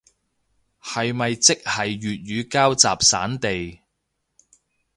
係咪即係粵語膠集散地